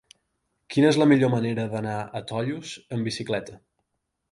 Quina és la millor manera d'anar a Tollos amb bicicleta?